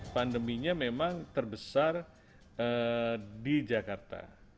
pandeminya memang terbesar di jakarta